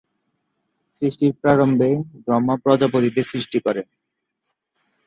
সৃষ্টির প্রারম্ভে ব্রহ্মা প্রজাপতিদের সৃষ্টি করেন।